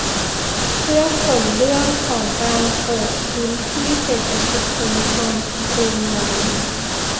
เพื่อผลเรื่องของการเปิดพื้นที่เศรษฐกิจชุมชนริมน้ำ